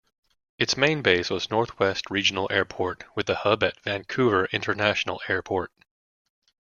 Its main base was Northwest Regional Airport with a hub at Vancouver International Airport.